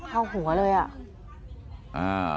เอาหัวเลยอะ